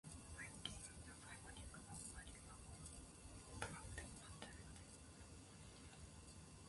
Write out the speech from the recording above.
最近、野菜も肉も、何かも高くて困っちゃうよね。